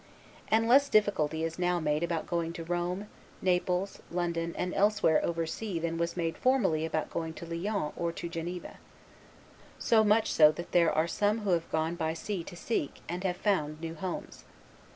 And less difficulty is now made about going to Rome, Naples London, and elsewhere over sea than was made formally about going to Lyons or to Geneva. So much so that there are some who have gone by sea to seek, and have found, new homes.